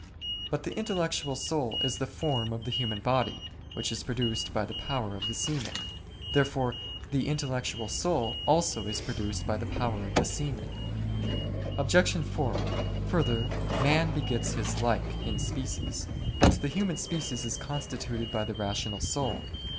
But the intellectual soul is the form of the human body, which is produced by the power of the semen. Therefore the intellectual soul also is produced by the power of the semen. Obj. 4: Further, man begets his like in species. But the human species is constituted by the rational soul.